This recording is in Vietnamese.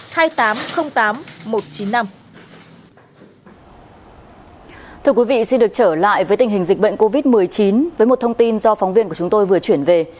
thưa quý vị xin được trở lại với tình hình dịch bệnh covid một mươi chín với một thông tin do phóng viên của chúng tôi vừa chuyển về